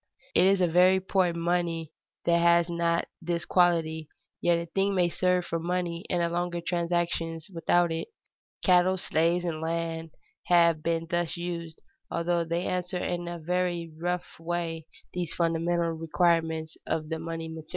It is a very poor money that has not this quality, yet a thing may serve for money in larger transactions without it. Cattle, slaves, and land have been thus used, although they answer in a very rough way these fundamental requirements of the money material.